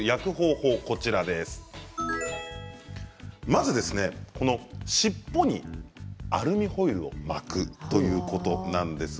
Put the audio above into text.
まず尻尾にアルミホイルを巻くということなんです。